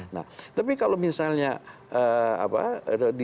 nah tapi kalau misalnya apa